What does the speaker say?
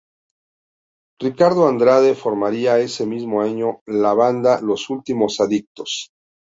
Ricardo Andrade formaría ese mismo año la banda Los Últimos Adictos.